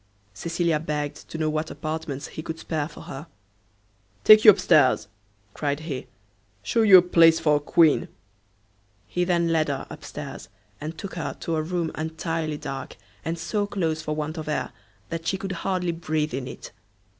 Cecilia begged to know what apartments he could spare for her. "Take you up stairs," cried he, "shew you a place for a queen." He then led her up stairs, and took her to a room entirely dark, and so close for want of air that she could hardly breathe in it.